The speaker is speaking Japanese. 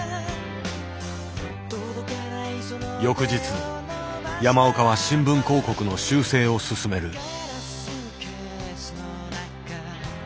翌日山岡は新聞広告の修正を進める。